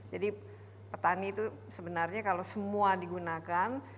petani itu sebenarnya kalau semua digunakan